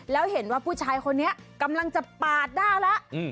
แล้วเห็นว่าผู้ชายคนนี้กำลังจะปาดด้าวแล้ว